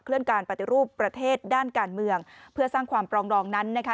เลื่อนการปฏิรูปประเทศด้านการเมืองเพื่อสร้างความปรองดองนั้นนะคะ